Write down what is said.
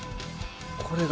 これが！